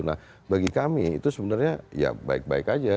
nah bagi kami itu sebenarnya ya baik baik aja